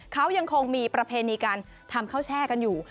เขายังคงมีประเพณีการทำข้าวแช่กันอยู่